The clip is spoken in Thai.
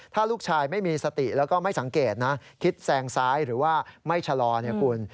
ถ้าลูกชายไม่มีสติแล้วก็ไม่สังเกตนะคิดแซงซ้ายหรือว่าไม่ชะลอเนี่ยคุณ